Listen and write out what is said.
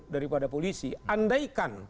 daripada polisi andaikan